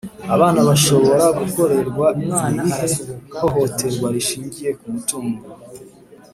Abana bashobora gukorerwa irihe hohoterwa rishingiye ku mutungo?